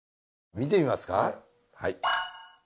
見てみますか？